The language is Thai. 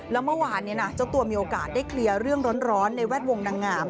แล้วเมื่อวานนี้นะเจ้าตัวมีโอกาสได้เคลียร์เรื่องร้อนในแวดวงนางงาม